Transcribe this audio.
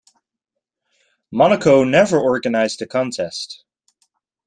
Monaco never organised the contest.